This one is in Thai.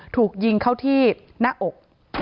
ถูกยิงเข้าที่หน้าอก